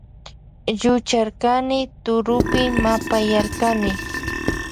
Llucharkani turupi mapayarkani.